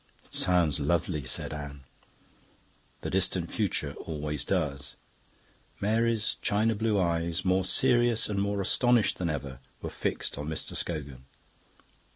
"It sounds lovely," said Anne. "The distant future always does." Mary's china blue eyes, more serious and more astonished than ever, were fixed on Mr. Scogan.